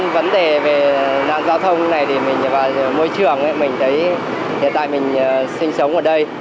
vấn đề về nạn giao thông này môi trường hiện tại mình sinh sống ở đây